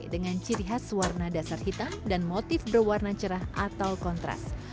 dengan ciri khas warna dasar hitam dan motif berwarna cerah atau kontras